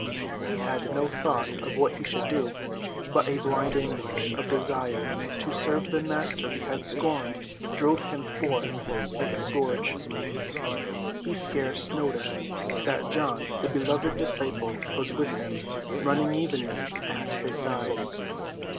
He had no thought of what he should do, but a blind anguish of desire to serve the Master he had scorned drove him forth like a scourge. He scarce noticed that John, the beloved disciple, was with him, running evenly at his side.